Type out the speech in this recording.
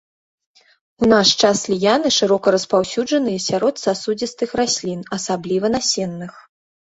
У наш час ліяны шырока распаўсюджаныя сярод сасудзістых раслін, асабліва насенных.